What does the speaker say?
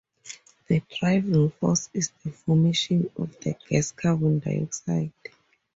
The driving force is the formation of the gas carbon dioxide.